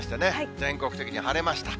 全国的に晴れました。